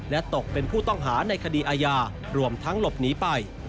และตกเป็นผู้ต้องหาในคดีอาญารวมทั้งหลบหนีไป